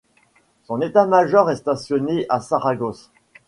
Son état-major est stationné à Saragosse.